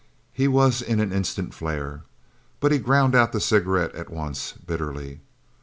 He was in an instant flare. But he ground out the cigarette at once, bitterly.